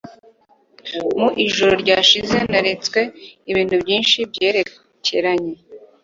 Mu ijoro ryahise neretswe ibintu byinshi byerekeranye